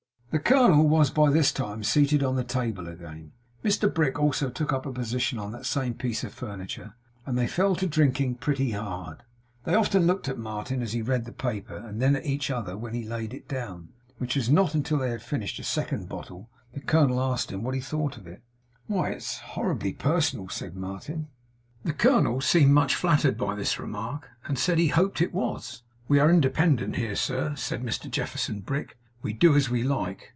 The colonel was by this time seated on the table again. Mr Brick also took up a position on that same piece of furniture; and they fell to drinking pretty hard. They often looked at Martin as he read the paper, and then at each other. When he laid it down, which was not until they had finished a second bottle, the colonel asked him what he thought of it. 'Why, it's horribly personal,' said Martin. The colonel seemed much flattered by this remark; and said he hoped it was. 'We are independent here, sir,' said Mr Jefferson Brick. 'We do as we like.